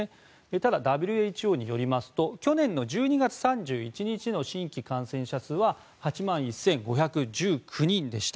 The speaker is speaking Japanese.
ただ、ＷＨＯによりますと去年の１２月３１日の新規感染者数は８万１５１９人でした。